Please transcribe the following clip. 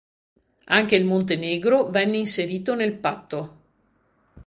Anche il Montenegro venne inserito nel patto.